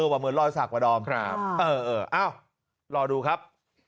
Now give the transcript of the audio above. เหมือนลอยสักประดองเอ้ารอดูครับ